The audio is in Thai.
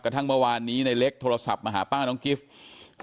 ทั้งเมื่อวานนี้ในเล็กโทรศัพท์มาหาป้าน้องกิฟต์